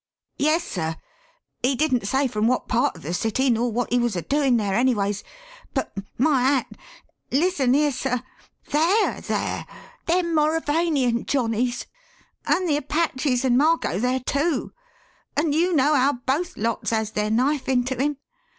"Yes, sir. He didn't say from wot part of the city nor wot he was a doin' there, anyways, but my hat! listen here, sir. They're there them Mauravanian johnnies and the Apaches and Margot there, too, and you know how both lots has their knife into him.